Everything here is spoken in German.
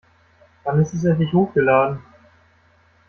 Wann ist es endlich hochgeladen?